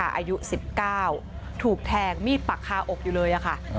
อายุ๑๙ถูกแทงมีดปักคาอกอยู่เลยค่ะ